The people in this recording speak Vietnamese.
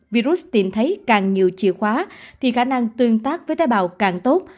virus tìm thấy càng nhiều chìa khóa thì khả năng tương tác với tế bào càng tốt